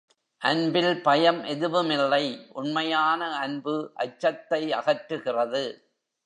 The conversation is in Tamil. அன்பில் பயம் எதுவுமில்லை உண்மையான அன்பு அச்சத்தை அகற்றுகிறது.